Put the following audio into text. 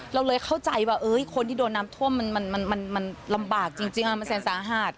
เราเลยเข้าใจว่าคนที่โดนน้ำท่วมมันลำบากจริงมันแสนสาหัส